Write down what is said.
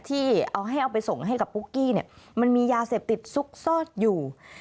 ที่เอาให้เอาไปส่งให้กับปุ๊กกี้เนี่ยมันมียาเสพติดซุกซ่อนอยู่